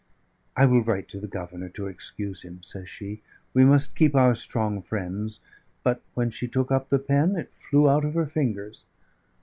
"I will write to the Governor to excuse him," says she. "We must keep our strong friends." But when she took up the pen it flew out of her fingers.